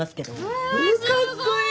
すごい！